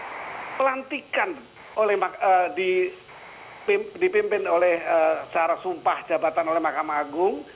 karena pelantikan dipimpin oleh secara sumpah jabatan oleh mahkamah agung